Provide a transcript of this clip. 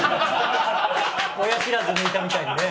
親知らず抜いたみたいにね。